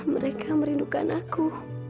mereka merindukan aku